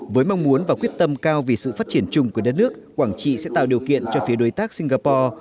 với mong muốn và quyết tâm cao vì sự phát triển chung của đất nước quảng trị sẽ tạo điều kiện cho phía đối tác singapore